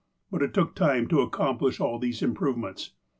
But it took time to accomplish all these improvements.